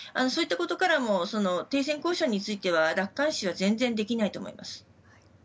そういったことからも停戦交渉については楽観視は全然できないと思います。